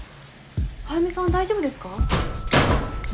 早梅さん大丈夫ですか？